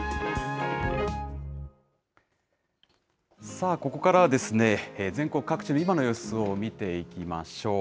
さあ、ここからはですね、全国各地の今の様子を見ていきましょう。